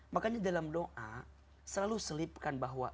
makanya dalam doa selalu selipkan bahwa